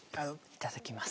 いただきます。